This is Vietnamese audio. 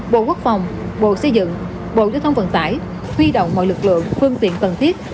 bộ quốc phòng bộ xây dựng bộ giao thông vận tải huy động mọi lực lượng phương tiện cần thiết